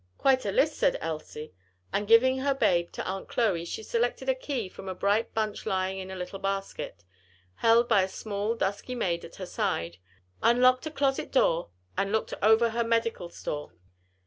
"Quite a list," said Elsie. And giving her babe to Aunt Chloe, she selected a key from a bright bunch lying in a little basket, held by a small dusky maid at her side, unlocked a closet door and looked over her medical store.